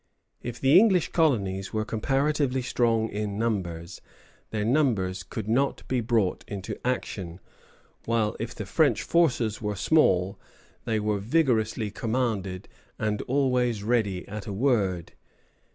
If the English colonies were comparatively strong in numbers, their numbers could not be brought into action; while if the French forces were small, they were vigorously commanded, and always ready at a word.